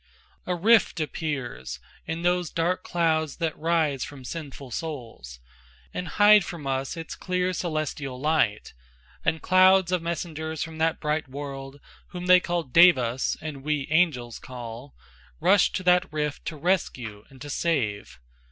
A rift appears In those dark clouds that rise from sinful souls And hide from us its clear celestial light, And clouds of messengers from that bright world, Whom they called devas and we angels call, Rush to that rift to rescue and to save.